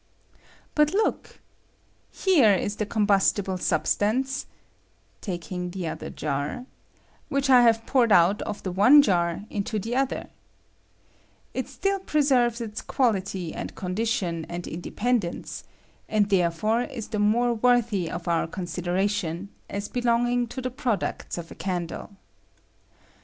But look I Here is the combustible substance [taking the other jar] which I have poured out of the one jar into the other. It still pre serves its quality, and condition, and independ ^^ Ifil 84 ACTION OF ZINC ON WATER. ence, and therefore is the more worthy of our consideration, as belonging to tlie products of a eandle.